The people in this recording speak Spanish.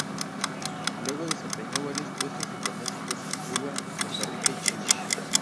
Luego desempeñó varios puestos diplomáticos en Cuba, Costa Rica y Chile.